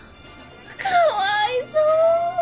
かわいそう！